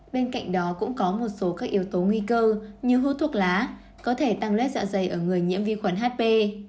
bên cạnh đó cũng có một số các yếu tố nguy cơ như hút thuốc lá có thể tăng lét dạ dày ở người nhiễm vi khuẩn hp